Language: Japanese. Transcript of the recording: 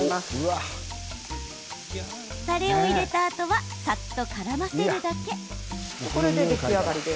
たれを入れたあとはさっとからませるだけ。